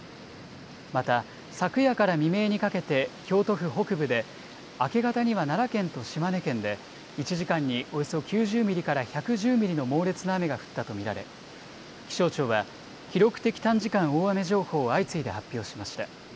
また、昨夜から未明にかけて京都府北部で、明け方には奈良県と島根県で１時間におよそ９０ミリから１１０ミリの猛烈な雨が降ったと見られ、気象庁は記録的短時間大雨情報を相次いで発表しました。